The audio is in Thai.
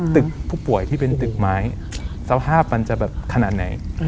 ตึกผู้ป่วยที่เป็นตึกไม้สภาพมันจะแบบขนาดไหน